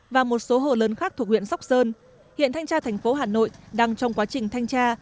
và một số hồ lớn khác thuộc huyện sóc sơn hiện thanh tra thành phố hà nội đang trong quá trình thanh tra